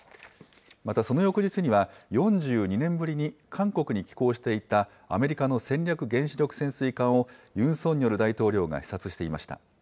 またその翌日には、４２年ぶりに韓国に寄港していたアメリカの戦略原子力潜水艦を、ユン・ソンニョル大統領が視察していました。